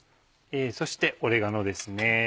そしてオレガノですね。